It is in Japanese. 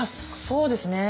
そうですね。